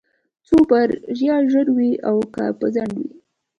خو بريا ژر وي او که په ځنډ وي.